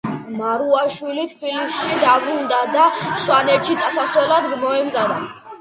მარუაშვილი თბილისში დაბრუნდა და სვანეთში წასასვლელად მოემზადა.